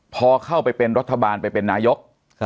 พอเข้าไปเป็นรัฐบาลไปเป็นนายก